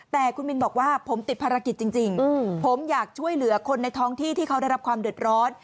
แต่คุณมินบอกว่าผมติดภารกิจจริงผมอยากช่วยเหลือคนในท้องที่ที่เขาได้รับความเดือดร้อน